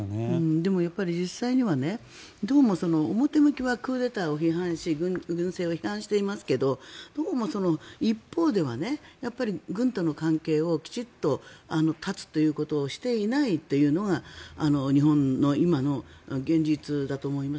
でも、やっぱり実際にはどうも表向きはクーデターを批判し軍政を批判していますが一方では軍との関係をきちんと断つということをしていないというのが日本の今の現実だと思います。